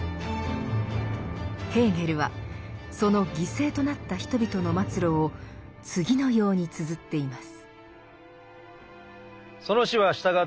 ヘーゲルはその犠牲となった人々の末路を次のようにつづっています。